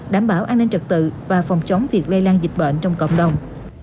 đảm bảo an ninh trật tự và phòng chống việc lây lan dịch bệnh trong cộng đồng